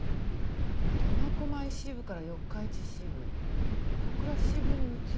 苫小牧支部から四日市支部小倉支部に移ってうち。